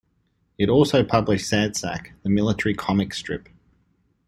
It also published "Sad Sack," the military comic strip.